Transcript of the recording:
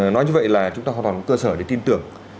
nói như vậy là chúng ta hoàn toàn cơ sở để tin tưởng